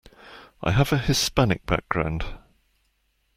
I have a Hispanic background